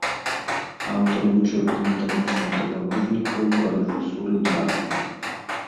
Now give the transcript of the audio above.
Аўтар вучэбна-метадычных дапаможнікаў па рэжысуры драмы.